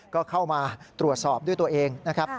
ก็เข้ามาตรวจสอบด้วยตัวเองนะครับ